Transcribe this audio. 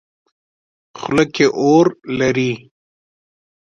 خوله کې اور لري.